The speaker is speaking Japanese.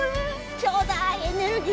ちょうだい！エネルギー！